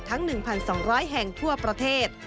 ๑๒๐๐แห่งทั่วประเทศ